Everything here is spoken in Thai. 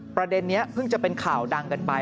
ประเด็นนี้เพิ่งจะเป็นข่าวดังกันไป